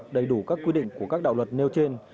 đầy đủ các quy định của các đạo luật nêu trên